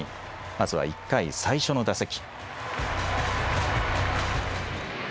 まずは１回、最初の打席。